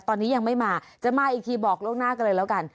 ตอนนี้ยังไม่มาจะมาอีกทีบอกล่วงหน้ากันเลยแล้วกัน